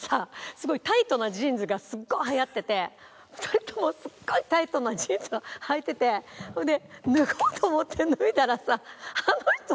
すごいタイトなジーンズがすっごい流行ってて２人ともすっごいタイトなジーンズをはいててそれで脱ごうと思って。